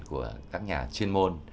của các nhà chuyên môn